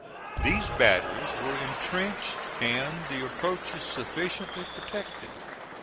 These batteries were intrenched and the approaches sufficiently protected.